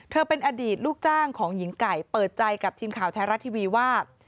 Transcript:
เป็นอดีตลูกจ้างของหญิงไก่เปิดใจกับทีมข่าวไทยรัฐทีวีว่า